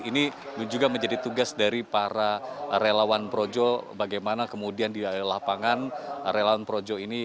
ini juga menjadi tugas dari para relawan projo bagaimana kemudian di lapangan relawan projo ini